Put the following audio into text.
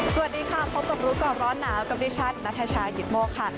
สวัสดีค่ะพบกับรู้ก่อนร้อนหนาวกับดิฉันนัทชายกิตโมกค่ะ